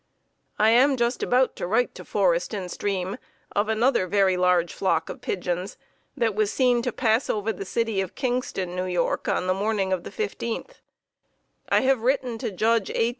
I am just about to write to Forest and Stream of another very large flock of pigeons that was seen to pass over the city of Kingston, N. Y., on the morning of the 15th. I have written to Judge A.